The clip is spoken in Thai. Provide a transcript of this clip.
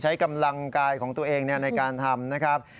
ใช้กำลังกายของตัวเองในการทำนะครับ